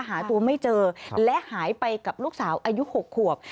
หาตัวไม่เจอและหายไปกับลูกสาวอายุ๖ขวบ